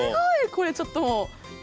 これちょっともう。